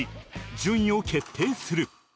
順位を決定する